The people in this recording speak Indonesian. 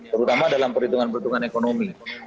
terutama dalam perhitungan perhitungan ekonomi